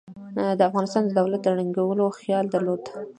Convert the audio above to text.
د افغانستان د دولت د ړنګولو خیال درلود.